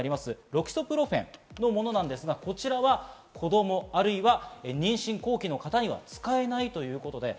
ロキソプロフェンのものですが、こちらは子供、あるいは妊娠後期の方には使えないということです。